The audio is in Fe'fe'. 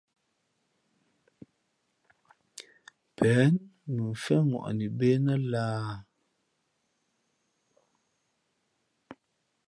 Pěn mʉnfén ŋwαʼni bê nά lāhā ?